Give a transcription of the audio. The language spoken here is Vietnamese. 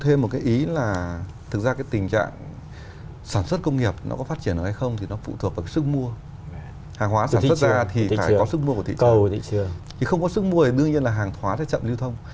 thì không có sức mua thì đương nhiên là hàng hóa sẽ chậm lưu thông